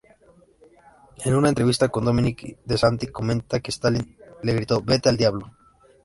En una entrevista con Dominique Desanti, comenta que Stalin le gritó "Vete al diablo!".